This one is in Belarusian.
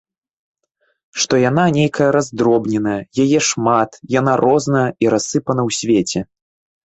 Што яна нейкая раздробненая, яе шмат, яна розная, і рассыпана ў свеце.